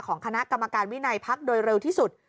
คณะกรรมการวินัยพักโดยเร็วที่สุด